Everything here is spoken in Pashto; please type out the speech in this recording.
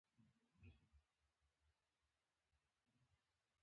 د کنجد ګل د څه لپاره وکاروم؟